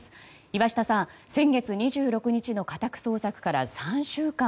岩下さん先月２６日の家宅捜索から３週間。